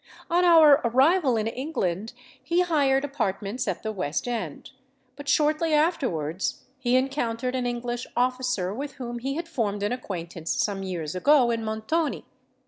On our arrival in England, he hired apartments at the West End; but shortly afterwards he encountered an English officer with whom he had formed an acquaintance some years ago in Montoni.